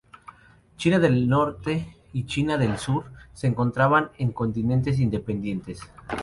China del Norte y China del Sur se encontraban en continentes independientes.